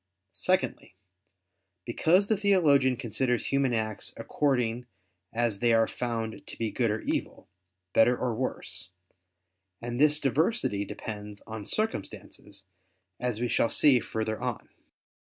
Secondly, because the theologian considers human acts according as they are found to be good or evil, better or worse: and this diversity depends on circumstances, as we shall see further on (Q.